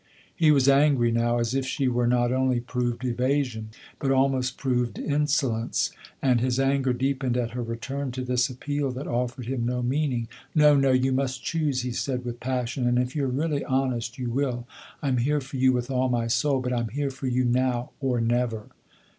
He was angry now, as if she were not only proved evasion, but almost proved insolence ; and his anger deepened at her return to this appeal that offered him no meaning. " No, no, you must choose," he said with passion, " and if you're really honest you will. I'm here for you with all my soul, but I'm here for you now or never."